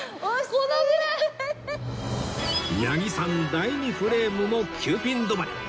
第２フレームも９ピン止まり